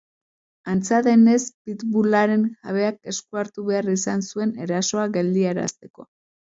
Antza denez, pitbullaren jabeak esku hartu behar izan zuen erasoa geldiarazteko.